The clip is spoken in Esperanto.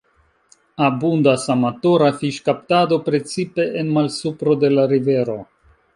Abundas amatora fiŝkaptado, precipe en malsupro de la rivero.